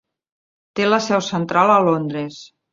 Té la seu central a Londres.